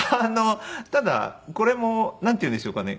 ただこれもなんていうんでしょうかね